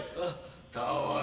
たわい。